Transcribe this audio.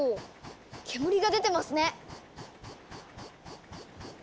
煙が出てますね！